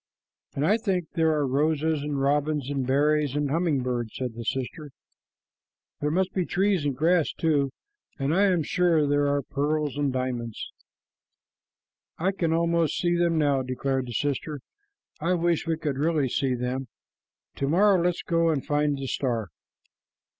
"And I think there are roses and robins and berries and humming birds," said the sister. "There must be trees and grass too, and I am sure there are pearls and diamonds." "I can almost see them now," declared the sister. "I wish we could really see them. To morrow let us go and find the star."